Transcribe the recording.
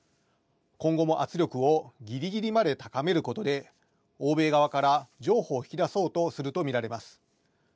今後も圧力をぎりぎりまで高めることで、欧米側から譲歩を引き出そうとすると見られます。